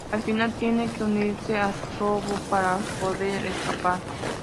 Al final tiene que unirse a Robo para poder escapar.